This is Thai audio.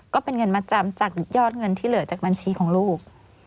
ก็เป็นเงินมาจำจากยอดเงินที่เหลือจากบัญชีของลูก